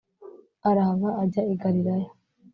arahava ajya i galilaya.